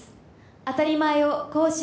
「当たり前」を更新